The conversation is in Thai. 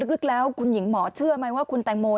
ลึกแล้วคุณหญิงหมอเชื่อไหมว่าคุณแตงโม